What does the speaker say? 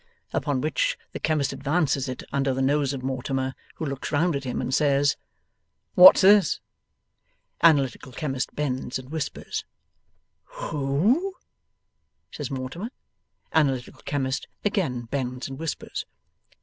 Upon which, the chemist advances it under the nose of Mortimer, who looks round at him, and says: 'What's this?' Analytical Chemist bends and whispers. 'WHO?' Says Mortimer. Analytical Chemist again bends and whispers.